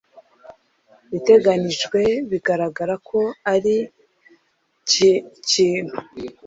iteganijwe bigaragara ko ari cyikintu